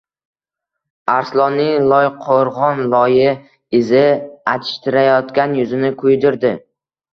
Arslonning loyqo‘rg‘on loyi izi achishtirayotgan yuzini kuydirdi